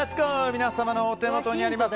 皆様のお手元にあります